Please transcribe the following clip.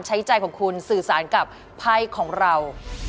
ใช้ใจของคุณสื่อสารกับไพ่ของเรา